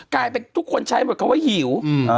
กลายเป็นทุกคนใช้หมดคำว่าหิว